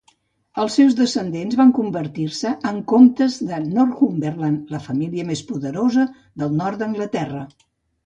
Els seus descendents van convertir-se en comtes de Northumberland, la família més poderosa del nord d'Anglaterra.